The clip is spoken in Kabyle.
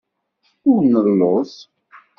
Ur nelluẓ.